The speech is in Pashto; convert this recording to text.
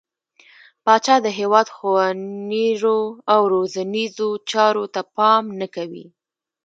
پاچا د هيواد ښونيرو او روزنيزو چارو ته پام نه کوي.